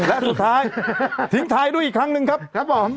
และสุดท้ายทิ้งท้ายด้วยอีกครั้งนึงครับ